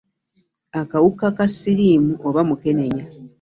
Akawuka ka siriimu oba mukenenya.